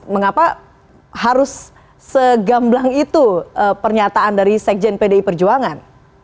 mengapa harus segamblang itu pernyataan dari sekjen pdi perjuangan